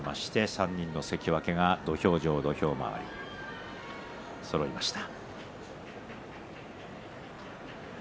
３人の関脇が土俵上土俵周りにそろいました。